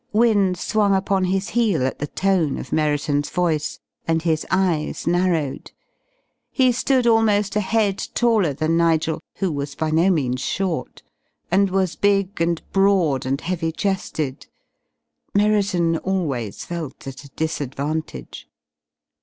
Wynne swung upon his heel at the tone of Merriton's voice, and his eyes narrowed. He stood almost a head taller than Nigel who was by no means short and was big and broad and heavy chested. Merriton always felt at a disadvantage.